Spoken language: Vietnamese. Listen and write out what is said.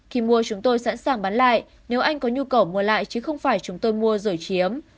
khi mua chúng tôi sẵn sàng bán lại nếu anh có nhu cầu mua lại chứ không phải chúng tôi mua rồi chiếm